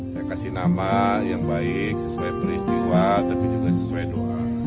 saya kasih nama yang baik sesuai peristiwa tapi juga sesuai doa